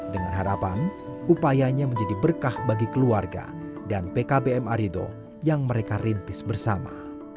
dengan harapan upayanya menjadi berkah bagi keluarga dan pkbm arido yang mereka rintis bersama